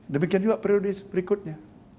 demikian juga prioritas berikutnya